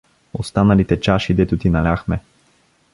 — Останалите чаши, дето ти наляхме.